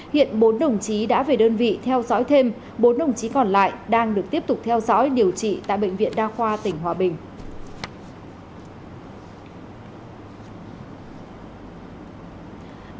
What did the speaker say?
hiện bốn đồng chí đã về đơn vị theo dõi thêm bốn đồng chí còn lại đang được tiếp tục theo dõi điều trị tại bệnh viện đa khoa tỉnh hòa bình